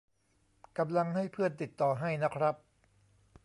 กำลังให้เพื่อนติดต่อให้นะครับ